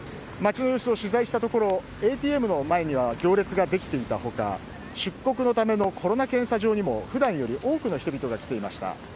街の様子を取材したところＡＴＭの前には行列ができていた他出国のためのコロナ検査場にも普段より多くの人々が来ていました。